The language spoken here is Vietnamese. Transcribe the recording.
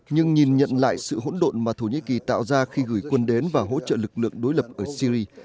nhưng nhìn nhận lại sự hỗn độn mà thổ nhĩ kỳ tạo ra khi gửi quân đến và hỗ trợ lực lượng đối lập ở syri